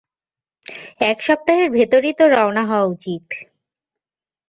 এক সপ্তাহের ভেতরই তো রওনা হওয়া উচিত?